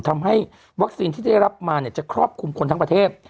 ทำให้วัคซีนที่ได้รับมาจะครอบคลุมคนทั้งประเทศ